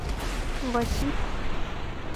Васик.